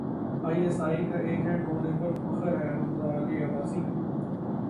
I S I کا agent ہونے پر فخر ہے حمزہ علی عباسی